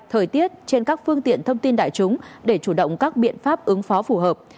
thời tiết trên các phương tiện thông tin đại chúng để chủ động các biện pháp ứng phó phù hợp